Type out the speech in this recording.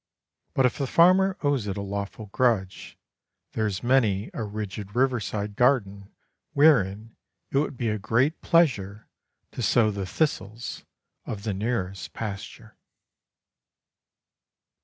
But if the farmer owes it a lawful grudge, there is many a rigid riverside garden wherein it would be a great pleasure to sow the thistles of the nearest pasture.